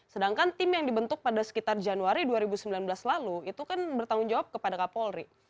sedangkan tim yang dibentuk pada sekitar januari dua ribu sembilan belas lalu itu kan bertanggung jawab kepada kapolri